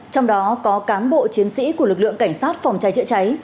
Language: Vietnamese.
trong đó có cán bộ chiến sĩ của lực lượng cảnh sát phòng cháy chữa cháy